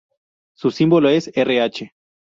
Su símbolo es Rh.